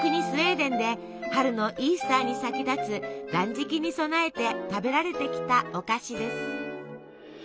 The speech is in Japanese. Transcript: スウェーデンで春のイースターに先立つ断食に備えて食べられてきたお菓子です。